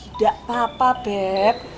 nggak apa apa beb